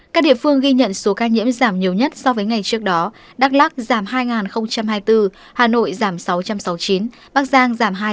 các địa phương ghi nhận số ca nhiễm giảm nhiều nhất so với ngày trước đó đắk lắc giảm hai hai mươi bốn hà nội giảm sáu trăm sáu mươi chín bắc giang giảm hai trăm chín mươi hai